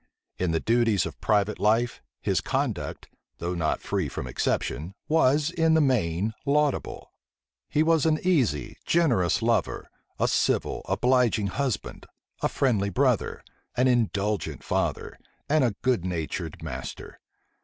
In the duties of private life, his conduct, though not free from exception, was, in the main, laudable. He was an easy, generous lover, a civil, obliging husband, a friendly brother, an indulgent father, and a good natured master.